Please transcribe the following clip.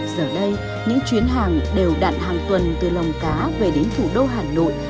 giờ đây những chuyến hàng đều đạn hàng tuần từ lồng cá về đến thủ đô hà nội